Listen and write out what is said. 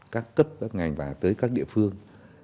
các cấp các ngành và tới các địa phương